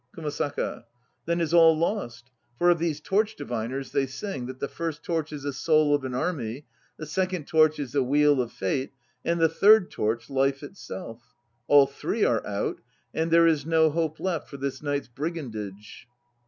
KUMASAKA. Then is all lost. For of these torch diviners they sing that the first torch is the soul of an army, the second torch is the wheel of Fate, and the third torch Life itself. All three are out, and there is no hope left for this night's brigandage.